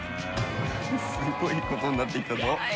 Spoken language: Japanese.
すごいことになってきたぞ。